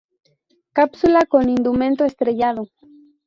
Cápsula con indumento estrellado.